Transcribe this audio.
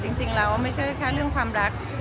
จริงแล้วไม่ใช่แค่เรื่องความรัก